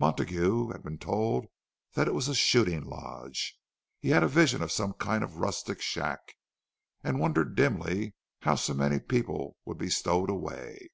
Montague had been told that it was a "shooting lodge." He had a vision of some kind of a rustic shack, and wondered dimly how so many people would be stowed away.